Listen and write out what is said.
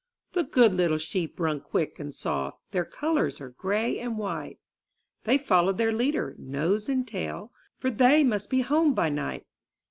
The good little sheep run quick and soft ; Their colors are gray and white; They follow their leader, nose and tail, For they must be home by night.